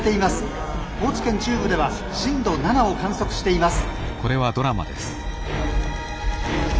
高知県中部では震度７を観測しています」。